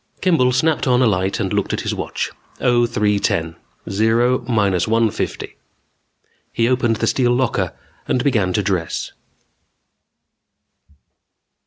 Kimball snapped on a light and looked at his watch. 0310. Zero minus one fifty. He opened the steel locker and began to dress.